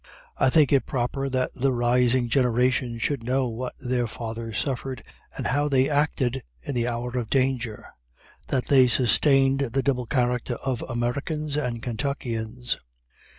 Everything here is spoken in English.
I think it proper that the rising generation should know what their fathers suffered, and how they acted in the hour of danger; that they sustained the double character of "Americans and Kentuckians."